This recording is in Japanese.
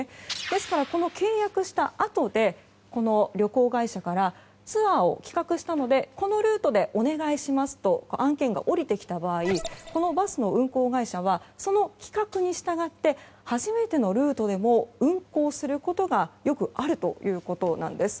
ですから、この契約したあとで旅行会社からツアーを企画したのでこのルートでお願いしますと案件が下りてきた場合このバスの運行会社はその企画に従って初めてのルートでも運行することがよくあるということなんです。